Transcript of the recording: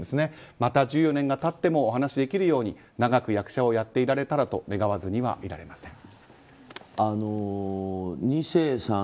また１４年が経ってもお話しできるように長く役者をやっていられたらと願わずにはいられません。